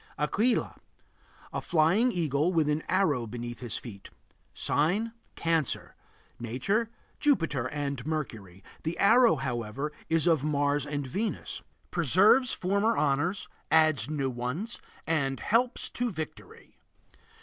AQUILA. A flying eagle with an arrow beneath his feet. Sign: Cancer. Nature: Jupiter and Mercury; the arrow, however, is of Mars and Venus. Preserves former honors, adds new ones, and helps to victory.